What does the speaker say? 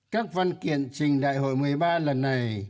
các văn kiện trình đại hội một mươi ba lần này